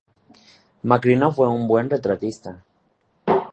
Macrino fue un buen retratista.